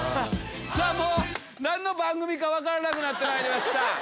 もう何の番組か分からなくなってまいりました。